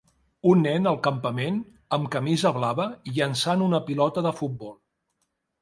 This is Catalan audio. Un nen al campament, amb camisa blava, llençant una pilota de futbol.